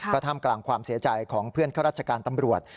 ก็ท่ามกลางความเสียใจของเพื่อนข้าราชการตำรวจ